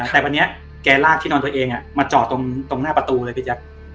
แต่วันนี้แกลากที่นอนตัวเองมาจอดตรงหน้าประตูเลยพี่แจ๊ค